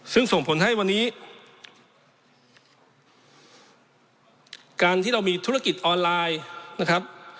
ซึ่งส่งผลให้วันนี้การที่เรามีธุรกิจออนไลน์นะครับ